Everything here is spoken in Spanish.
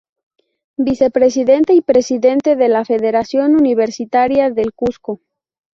Vicepresidente y Presidente de la Federación Universitaria del Cusco.